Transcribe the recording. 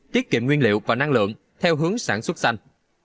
tiết kiệm nguyên liệu và năng lượng theo hướng sản xuất xanh